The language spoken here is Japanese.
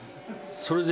それで。